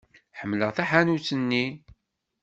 Ḥemmleɣ taḥanut-nni.